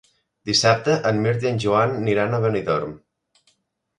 Dissabte en Mirt i en Joan aniran a Benidorm.